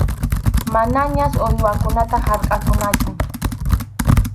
Manañas uywakunataqa harkʼankuñachu.